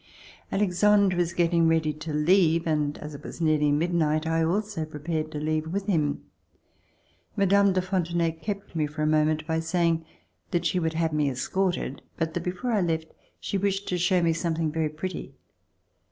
Alexandre was getting ready to leave and, as it was nearly midnight, I also prepared to leave with [ 175 ] RECOLLECTIONS OF THE REVOLUTION him. Mme. de Fontenay kept me for a moment by saying that she would have me escorted, but that before I left she wished to show me something very pretty.